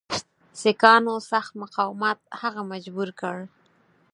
سیکهانو سخت مقاومت هغه مجبور کړ.